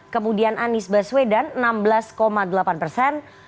kemudian anies baswedan enam belas delapan persen